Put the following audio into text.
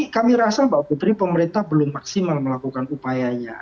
kami rasa mbak putri pemerintah belum maksimal melakukan upayanya